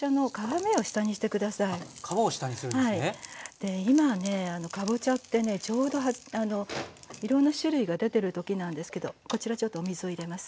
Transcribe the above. で今ねかぼちゃってねちょうどいろんな種類が出てるときなんですけどこちらちょっとお水を入れます。